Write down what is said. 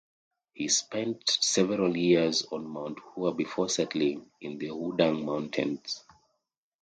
He spent several years on Mount Hua before settling in the Wudang Mountains.